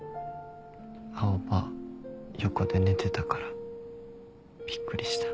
青羽横で寝てたからびっくりした。